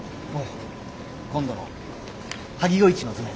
今度の萩夜市の図面。